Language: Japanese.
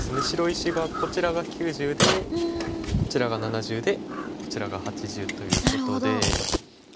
白石がこちらが９０でこちらが７０でこちらが８０ということで。